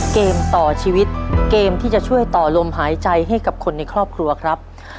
เกมต่อชีวิตเกมที่จะช่วยต่อลมหายใจให้กับคนในครอบครัวครับ